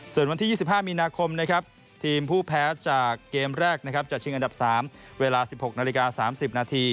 ส่วนวันที่๒๕มีนาคมนะครับทีมผู้แพ้จากเกมแรกนะครับจะชิงอันดับ๓เวลา๑๖นาฬิกา๓๐นาที